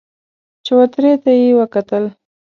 چوترې ته يې وکتل.